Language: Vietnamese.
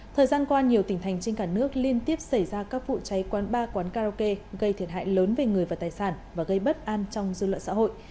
thời gian qua nhiều tỉnh thành trên cả nước liên tiếp xảy ra các vụ cháy quán bar quán karaoke gây thiệt hại lớn về người và tài sản và gây bất an trong dư luận xã hội